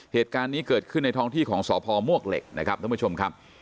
เหตุการณ์นี้เกิดขึ้นในท้องที่ของสพมวกเหล็กนะครับท่านผู้ชมครับ